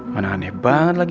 mana aneh banget lagi